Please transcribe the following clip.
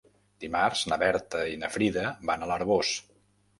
Dimarts na Berta i na Frida van a l'Arboç.